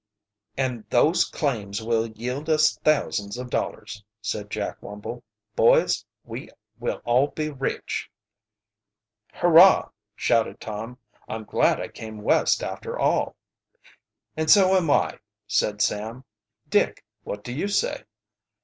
"And those claims will yield us thousands of dollars!" said Jack Wumble. "Boys, we will all be rich." "Hurrah!" shouted Tom. "I'm glad I came West, after all." "And so am I," said Sam. "Dick, what do you say?"